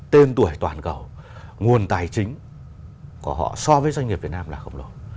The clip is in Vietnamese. tên tuổi toàn cầu nguồn tài chính của họ so với doanh nghiệp việt nam là khổng lồ